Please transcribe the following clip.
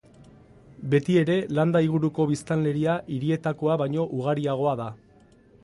Beti ere, landa inguruko biztanleria hirietakoa baino ugariagoa da.